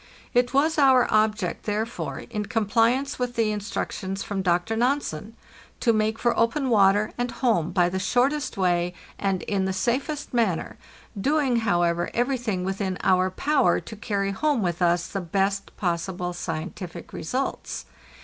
It was our object, therefore, in compliance with the instructions from Dr. Nansen, to make for open water and home by the shortest way and in the safest manner, doing, however, everything within our power to carry home with us the best possible scientific results.